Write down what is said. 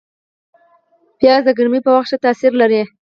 پیاز د ګرمۍ په وخت ښه تاثیر لري